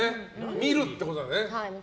見るってことだね。